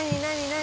何？